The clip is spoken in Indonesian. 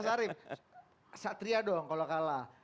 mas arief satria dong kalau kalah